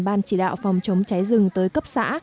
ban chỉ đạo phòng chống cháy rừng tới cấp xã